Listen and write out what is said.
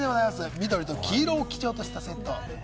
緑と黄色を基調としたセット。